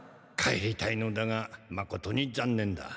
帰りたいのだがまことに残念だ。